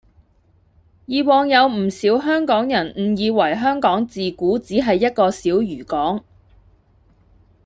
以往有唔少香港人誤以為香港自古只係一個小漁港